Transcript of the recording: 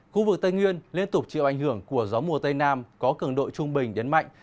khu vực tây nguyên liên tục chịu ảnh hưởng của gió mùa tây nam có cường độ trung bình đến mạnh